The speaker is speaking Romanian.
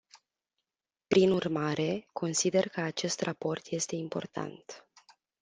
Prin urmare, consider că acest raport este important.